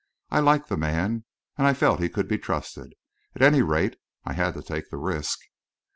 I liked the man, and I felt he could be trusted. At any rate, I had to take the risk.